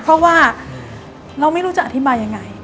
เพราะว่าเราไม่รู้จะอธิบายยังไง